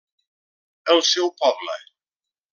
El seu poble.